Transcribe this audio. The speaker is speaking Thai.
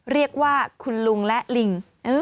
เรียกว่าคุณลุงและลิง